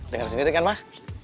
dengar sendiri kan mak